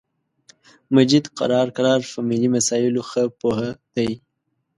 مجید قرار په ملی مسایلو خه پوهه دی